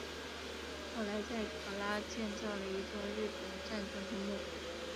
后来在考拉建造了一座日本战争公墓。